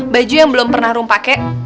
baju yang belum pernah rom pake